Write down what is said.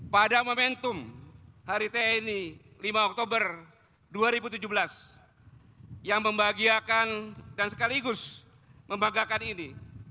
pada momentum hari tni lima oktober dua ribu tujuh belas yang membahagiakan dan sekaligus membanggakan ini